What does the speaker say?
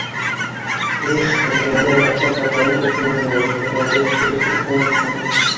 Эх, эргәңдә яратҡан ҡатының булһын ине ул. Бәрәңге әрсер өсөн генә булһа ла.